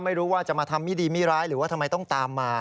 ไม่รู้ว่าจะมาทำไม่ดีไม่ร้ายหรือว่าทำไมต้องตามมา